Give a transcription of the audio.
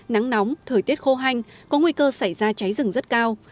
nắng nóng thời tiết khô hanh có nguy cơ xảy ra cháy rừng rất cao